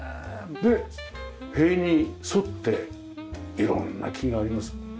で塀に沿っていろんな木があります。